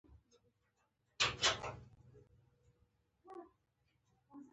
کلي د افغانستان د فرهنګي فستیوالونو برخه ده.